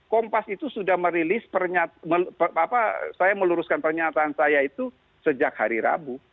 kompas itu sudah merilis saya meluruskan pernyataan saya itu sejak hari rabu